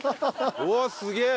うわっすげえ！